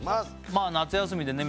まあ夏休みでね